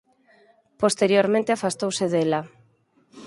Posteriormente afastouse dela.